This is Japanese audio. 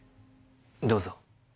どうぞ。